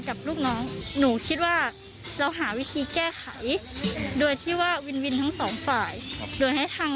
กับลูกน้องหนูคิดว่าเราหาวิธีแก้ไขโดยที่ว่าวินวินทั้งสองฝ่ายโดยให้ทาง